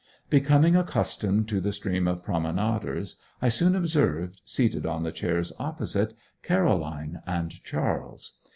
Becoming accustomed to the stream of promenaders, I soon observed, seated on the chairs opposite, Caroline and Charles.